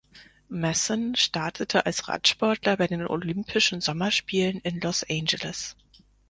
Masson startete als Radsportler bei den Olympischen Sommerspielen in Los Angeles.